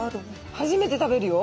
初めて食べるよ。